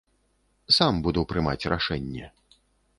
Сам буду прымаць рашэнне.